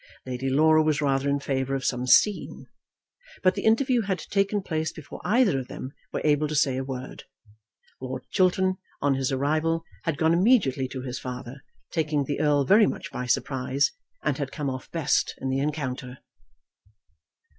Lady Laura was rather in favour of some scene. But the interview had taken place before either of them were able to say a word. Lord Chiltern, on his arrival, had gone immediately to his father, taking the Earl very much by surprise, and had come off best in the encounter.